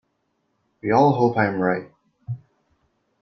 We all hope I am right.